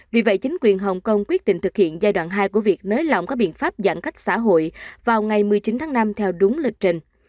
vì vậy chính quyền hồng kông quyết định thực hiện giai đoạn hai của việc nới lỏng các biện pháp giãn cách xã hội vào ngày một mươi chín tháng năm theo đúng lịch trình